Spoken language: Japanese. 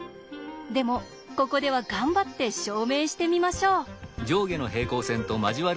でもここでは頑張って証明してみましょう。